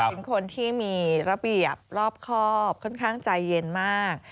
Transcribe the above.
เป็นคนที่มีระเบียบรอบครอบค่อนข้างใจเย็นมาก